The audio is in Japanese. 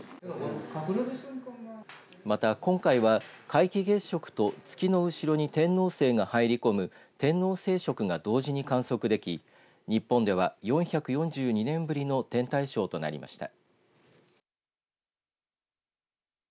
また今回は、皆既月食と月の後ろに天王星が入り込む天王星食が同時に観測でき日本では、４４２年ぶりの天体ショーとなりました。